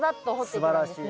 すばらしい。